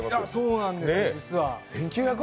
そうなんです、実は。